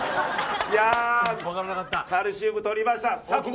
カルシウムを取りました。